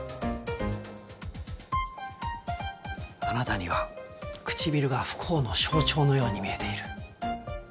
あなたにはくちびるが不幸の象徴のように見えている。